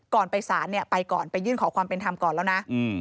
ไปสารเนี่ยไปก่อนไปยื่นขอความเป็นธรรมก่อนแล้วนะ